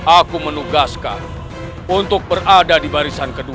aku menugaskan untuk berada di barisan kedua